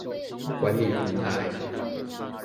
管理平台